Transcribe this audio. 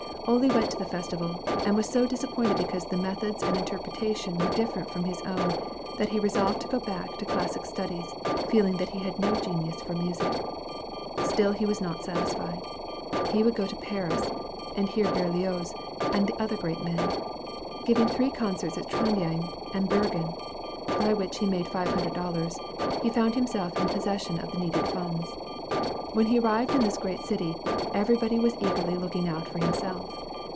Ole went to the festival, and was so disappointed because the methods and interpretation were different from his own, that he resolved to go back to classic studies, feeling that he had no genius for music. Still he was not satisfied. He would go to Paris, and hear Berlioz and other great men. Giving three concerts at Trondhjeim and Bergen, by which he made five hundred dollars, he found himself in possession of the needed funds. When he arrived in this great city, everybody was eagerly looking out for himself.